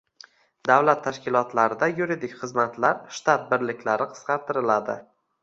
Davlat tashkilotlarida yuridik xizmatlar shtat birliklari qisqartiriladi